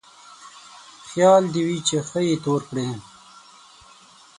خيال دې وي چې ښه يې تور کړې.